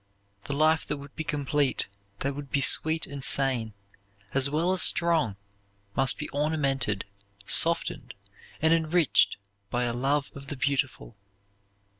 The life that would be complete; that would be sweet and sane, as well as strong, must be ornamented, softened, and enriched by a love of the beautiful.